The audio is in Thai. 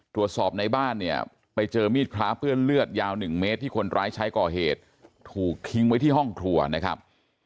ตรวจสอบในบ้านเนี่ยไปเจอมีดพระเปื้อนเลือดยาว๑เมตรที่คนร้ายใช้ก่อเหตุถูกทิ้งไว้ที่ห้องครัวนะครับ